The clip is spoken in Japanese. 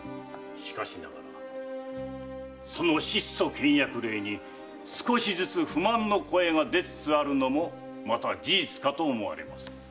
しかしながらその質素倹約令に少しずつ不満の声が出つつあるのもまた事実かと思われます。